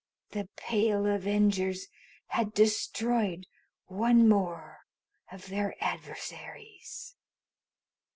The Pale Avengers had destroyed one more of their adversaries.